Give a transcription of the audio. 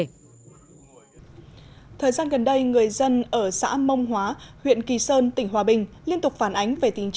thời gian gần đây người dân ở xã mông hóa huyện kỳ sơn tỉnh hòa bình liên tục phản ánh về tình